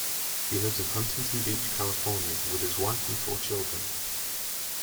He lives in Huntington Beach, California, with his wife and four children.